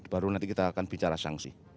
baru nanti kita akan bicara sanksi